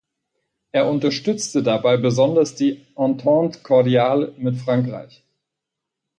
Er unterstützte dabei besonders die Entente cordiale mit Frankreich.